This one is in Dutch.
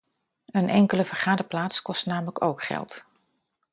Een enkele vergaderplaats kost namelijk ook geld.